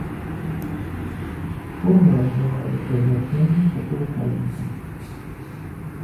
Поўная ж бывае як азначэннем, так і выказнікам.